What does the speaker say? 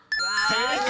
［正解！